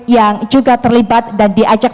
yang juga terlibat dan diajak